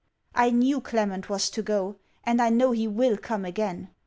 I knew Clement was to go; and I know he will come again.